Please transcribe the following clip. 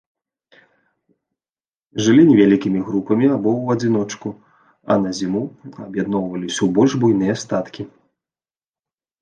Жылі невялікімі групамі або ў адзіночку, а на зіму аб'ядноўваліся ў больш буйныя статкі.